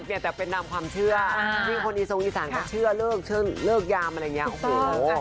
เปลี่ยนแต่เป็นดำความเชื่อที่คนอีสงศ์อีสานก็เชื่อเลิกยามอะไรอย่างนี้